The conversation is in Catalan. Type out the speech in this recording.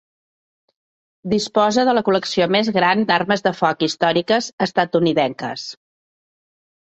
Disposa de la col·lecció més gran d'armes de foc històriques estatunidenques.